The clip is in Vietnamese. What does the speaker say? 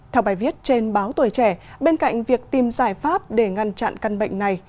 theo bài viết trên báo tuổi trẻ bên cạnh việc tìm giải pháp để ngăn chặn căn bệnh này